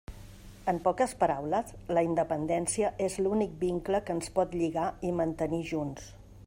En poques paraules, la independència és l'únic vincle que ens pot lligar i mantenir junts.